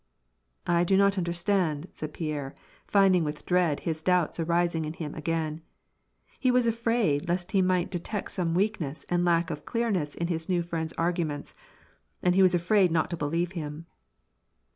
"I do not understand," said Pierre, finding with dread his doubts arising in him again. He was afraid lest he might de tect some weakness and lack of clearness in his new friend's arguments ; he was afraid not to believe in him.